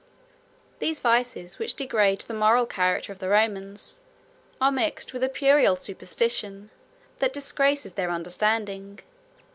These vices, which degrade the moral character of the Romans, are mixed with a puerile superstition, that disgraces their understanding.